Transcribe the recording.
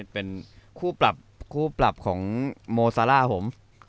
เป็นคู่ปรับของโมซาร่าผม